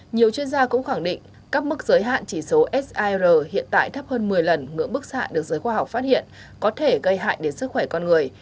nhiều chuyên gia cũng khẳng định các mức giới hạn chỉ số sir hiện tại thấp hơn một mươi lần ngưỡng bức xạ được giới khoa học phát hiện có thể gây hại đến sức khỏe con người